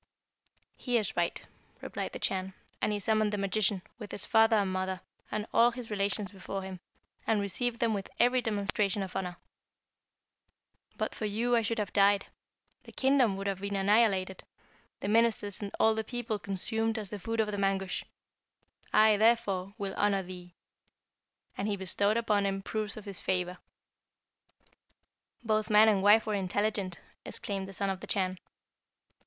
"'He is right,' replied the Chan, and he summoned the magician, with his father and mother, and all his relations before him, and received them with every demonstration of honour. 'But for you I should have died; the kingdom would have been annihilated; the ministers and all the people consumed as the food of the Mangusch. I, therefore, will honour thee,' and he bestowed upon him proofs of his favour." "Both man and wife were intelligent," exclaimed the Son of the Chan.